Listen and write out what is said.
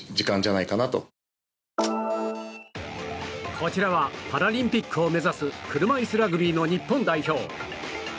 こちらはパラリンピックを目指す車いすラグビーの日本代表。